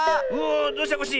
どうした⁉コッシー。